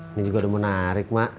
ini juga udah mau narik mak